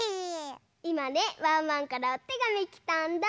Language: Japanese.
いまねワンワンからおてがみきたんだ。